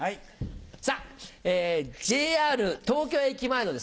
ＪＲ東京駅前のですね